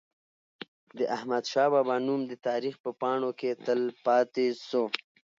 د احمد شاه بابا نوم د تاریخ په پاڼو کي تل پاتي سو.